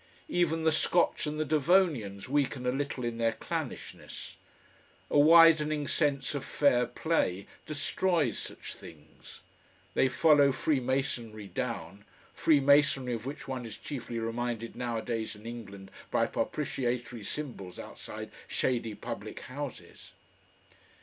Even the Scotch and the Devonians weaken a little in their clannishness. A widening sense of fair play destroys such things. They follow freemasonry down freemasonry of which one is chiefly reminded nowadays in England by propitiatory symbols outside shady public houses....